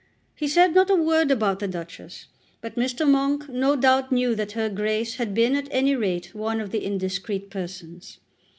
He said not a word about the Duchess; but Mr. Monk no doubt knew that her Grace had been at any rate one of the indiscreet persons.